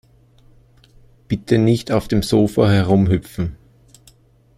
Bitte nicht auf dem Sofa herumhüpfen.